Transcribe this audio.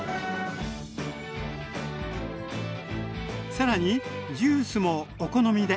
更にジュースもお好みで。